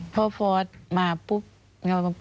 พอฟอสมาปุ๊บ